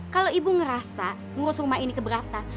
kalau ibu ngerasa ngurus rumah ini keberatan